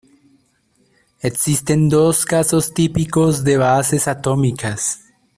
Existen dos casos típicos de bases atómicas.